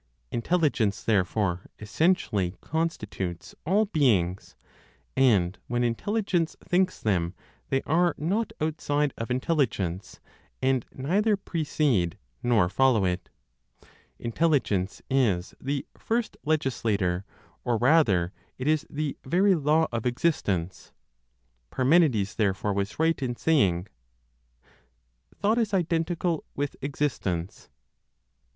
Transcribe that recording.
Intelligence, therefore, essentially constitutes all beings; and when Intelligence thinks them, they are not outside of Intelligence, and neither precede nor follow it. Intelligence is the first legislator, or rather, it is the very law of existence. Parmenides therefore was right in saying, "Thought is identical with existence."